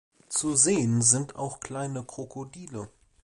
Zu sehen sind auch kleine Krokodile.